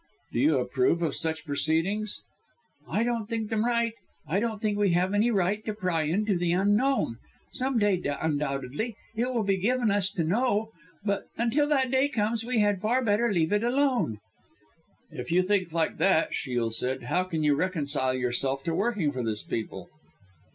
"Do you approve of such proceedings?" "I don't think them right. I don't think we have any right to pry into the Unknown. Some day, undoubtedly, it will be given us to know, but until that day comes, we had far better leave it alone." "If you think like that," Shiel said, "how can you reconcile yourself to working for these people?"